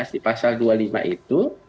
di pasal dua puluh lima itu